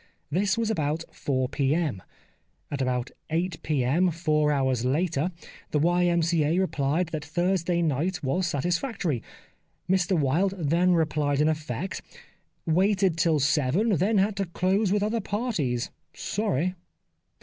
This was about 4 p.m. At about 8 p.m., four hours later, the Y.M.C.A, rephed that Thursday night was satisfactory. Mr Wilde then replied in effect :' Waited till 7, then had to close with other parties. Sorry.'